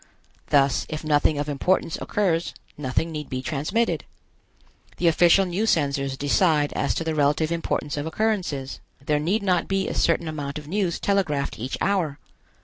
Thus, if nothing of importance occurs, nothing need be transmitted. The official news censors decide as to the relative importance of occurrences. There need not be a certain amount of news telegraphed each hour.